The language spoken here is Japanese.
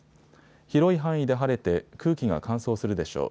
広い範囲で晴れて空気が乾燥するでしょう。